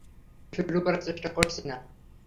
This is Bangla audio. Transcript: যুদ্ধ শুরু করার চেষ্টা করছি না।